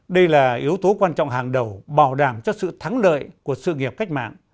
đây là yếu tố quan trọng hàng đầu bảo đảm cho sự thắng lợi của sự nghiệp cách mạng